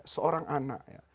seorang anak ya